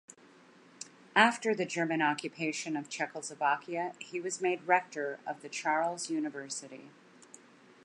After the German occupation of Czechoslovakia he was made rector of the Charles University.